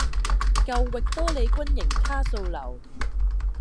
舊域多利軍營卡素樓